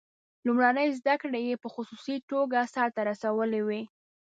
لومړنۍ زده کړې یې په خصوصي توګه سرته رسولې وې.